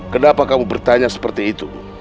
kenapa kamu bertanya seperti itu